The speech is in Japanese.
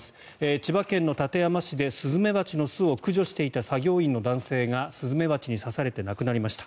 千葉県館山市でスズメバチの巣を駆除していた作業員の男性がスズメバチに刺されて亡くなりました。